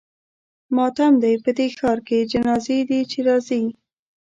ماتم دی په دې ښار کې جنازې دي چې راځي.